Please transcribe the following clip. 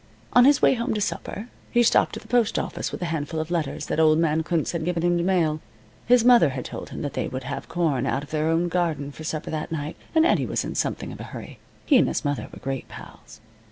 On his way home to supper he stopped at the postoffice with a handful of letters that old man Kunz had given him to mail. His mother had told him that they would have corn out of their own garden for supper that night, and Eddie was in something of a hurry. He and his mother were great pals.